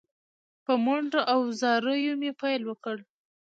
په منډو او زاریو مې پیل وکړ.